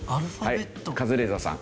はいカズレーザーさん。